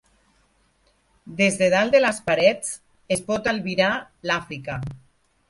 Des de dalt de les parets, es pot albirar l'Àfrica.